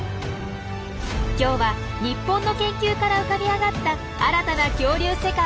今日は日本の研究から浮かび上がった新たな恐竜世界を大特集。